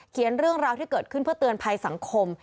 เรื่องราวที่เกิดขึ้นเพื่อเตือนภัยสังคม